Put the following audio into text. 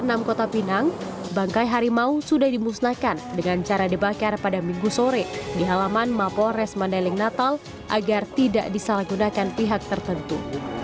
di kota pinang bangkai harimau sudah dimusnahkan dengan cara dibakar pada minggu sore di halaman mapol res mandailing natal agar tidak disalahgunakan pihak tertentu